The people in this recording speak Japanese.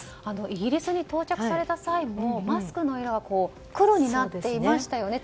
イギリスに到着された際もマスクの色が黒になっていましたよね。